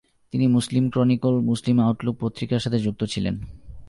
তিনি Muslim Chronicle, Muslim Outlook পত্রিকার সাথে যুক্ত ছিলেন।